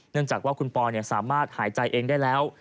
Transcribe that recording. เนื่องจากว่าคุณพ่อสามารถหายใจเองได้แล้ว